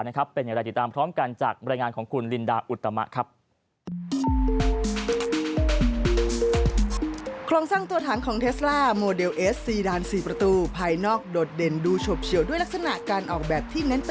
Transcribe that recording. เป็นอย่างไรติดตามพร้อมกันจากบรรยายงานของคุณลินดาอุตมะครับ